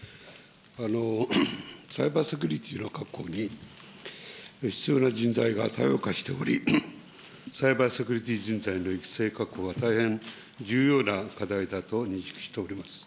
サイバーセキュリティーの確保に必要な人材が多様化しており、サイバーセキュリティー人材の育成確保は、大変重要な課題だと認識しております。